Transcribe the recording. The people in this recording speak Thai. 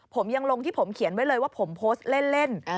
ผมยังลงที่ผมเขียนไว้เลยว่าผมโพสต์เล่น